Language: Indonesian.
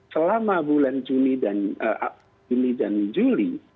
selama bulan juni dan juli